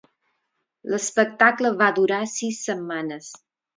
L"espectacle va durar sis setmanes.